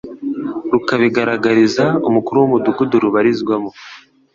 rukabigaragariza umukuru w'umudugudu rubarizwamo,